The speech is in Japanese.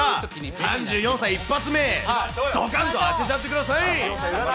３４歳一発目、どかんと当てちゃってください。